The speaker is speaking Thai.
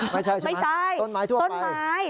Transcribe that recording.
ไม่ใช่ใช่ไหมต้นไม้ทั่วไป